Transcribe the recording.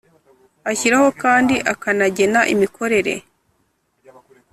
ashyiraho kandi akanagena imikorere